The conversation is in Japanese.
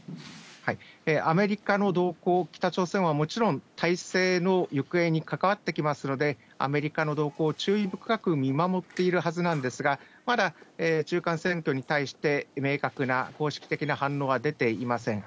アメリカの動向を北朝鮮はもちろん大勢の行方に関わってきますので、アメリカの動向を注意深く見守っているはずなんですが、まだ、中間選挙に対して明確な公式的な反応は出ていません。